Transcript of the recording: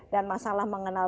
dan masalah mengenal